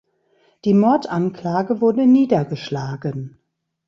Die Mordanklage wurde niedergeschlagen.